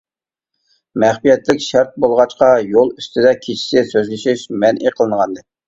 مەخپىيەتلىك شەرت بولغاچقا يول ئۈستىدە كېچىسى سۆزلىشىش مەنئى قىلىنغانىدى.